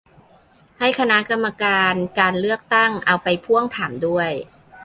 ให้คณะกรรมการการเลือกตั้ง เอาไปพ่วงถามด้วย